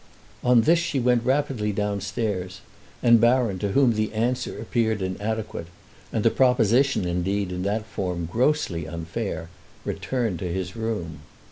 On this she went rapidly downstairs, and Baron, to whom the answer appeared inadequate and the proposition indeed in that form grossly unfair, returned to his room.